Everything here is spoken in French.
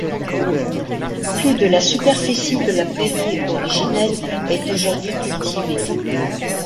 Plus de de la superficie de la prairie originelle est aujourd'hui cultivée.